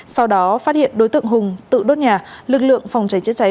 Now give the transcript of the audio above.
sau đó phát hiện đối tượng hùng tự đốt nhà lực lượng phòng cháy chữa cháy